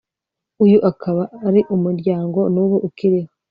uyu ukaba ari umuryango n'ubu ukiriho